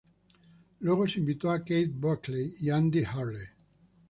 Luego se invitó a Keith Buckley y Andy Hurley.